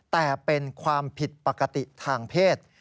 แต่เป็นความผิดปกติทางเพศ